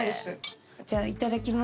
じゃあいただきます。